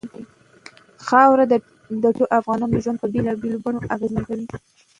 خاوره د ټولو افغانانو ژوند په بېلابېلو بڼو اغېزمن کوي.